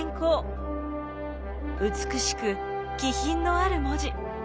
美しく気品のある文字。